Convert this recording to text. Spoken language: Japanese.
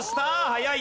早い。